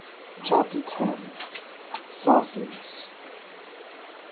CHAPTER X. SAUCES.